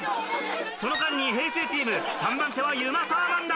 その間に平成チーム３番手はユマ・サーマンだ！